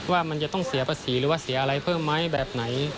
ว่ามันจะต้องเสียภาษีหรือว่าเสียอะไรเพิ่มไหมแบบไหน